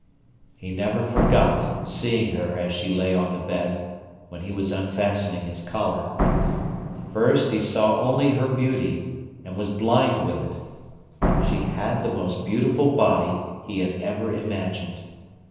He never forgot seeing her as she lay on the bed, when he was unfastening his collar. First he saw only her beauty, and was blind with it. She had the most beautiful body he had ever imagined.